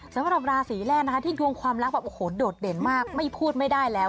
สำหรับราศีแรกนะคะที่ดวงความรักแบบโอ้โหโดดเด่นมากไม่พูดไม่ได้แล้ว